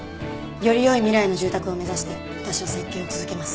より良い未来の住宅を目指して私は設計を続けます。